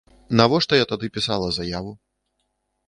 Навошта я тады пісала заяву?